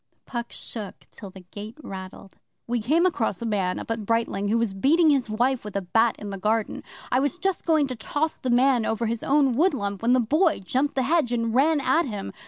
Puck shook till the gate rattled. 'We came across a man up at Brightling who was beating his wife with a bat in the garden. I was just going to toss the man over his own woodlump when the Boy jumped the hedge and ran at him.